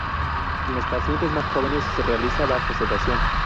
En los pacientes más jóvenes se realiza bajo sedación.